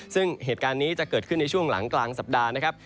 ซึ่งเหตุการณ์นี้จะเกิดขึ้นในช่วงหลังกลางสัปดาห์นะครับ